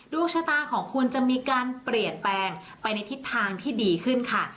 ดวงชะตาของคุณจะมีการเปลี่ยนแปลงไปในทิศทางที่ดีขึ้นค่ะ